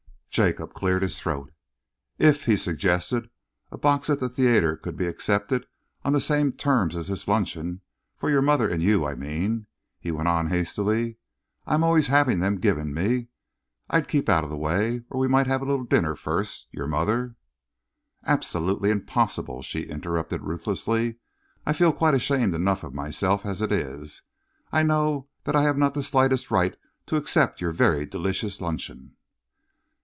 Jacob cleared his throat. "If," he suggested, "a box at the theatre could be accepted on the same terms as this luncheon for your mother and you, I mean," he went on hastily, "I am always having them given me. I'd keep out of the way. Or we might have a little dinner first. Your mother " "Absolutely impossible!" she interrupted ruthlessly. "I really feel quite ashamed enough of myself, as it is. I know that I have not the slightest right to accept your very delicious luncheon."